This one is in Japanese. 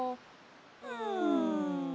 うん。